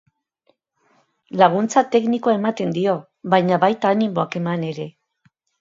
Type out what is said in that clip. Laguntza teknikoa ematen dio, baina baita animoak eman ere.